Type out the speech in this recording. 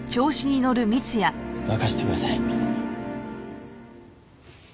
任せてください。